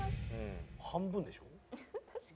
半分でしょ。